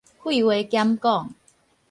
廢話減講